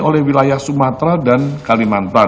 oleh wilayah sumatera dan kalimantan